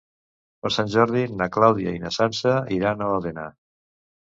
Per Sant Jordi na Clàudia i na Sança iran a Òdena.